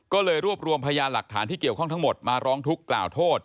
ก็เลยรวบรวมพยานหลักฐานที่เกี่ยวข้องทั้งหมดมาร้องทุกข์กล่าวโทษ